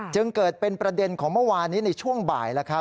จึงเกิดเป็นประเด็นของเมื่อวานนี้ในช่วงบ่าย